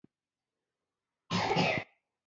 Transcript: په ښارونو کې د شپې وخت د روڼ څراغونو له امله جذاب ښکاري.